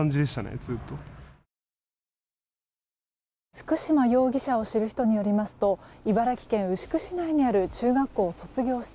福島容疑者を知る人によりますと茨城県牛久市内にある中学校を卒業した